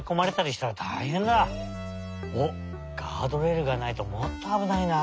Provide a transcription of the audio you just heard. おっガードレールがないともっとあぶないなあ。